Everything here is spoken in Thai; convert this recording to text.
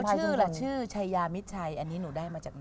ชื่อล่ะชื่อชายามิดชัยอันนี้หนูได้มาจากไหน